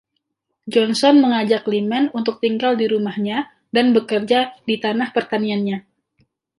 Johnson mengajak Lyman untuk tinggal di rumahnya dan bekerja di tanah pertaniannya.